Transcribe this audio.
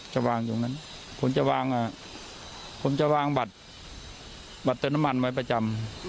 จะวางอยู่ตรงนั้นผมจะวางบัตรเติมน้ำมันไว้ประจำ